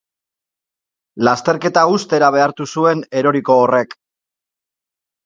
Lasterketa uztera behartu zuen eroriko horrek.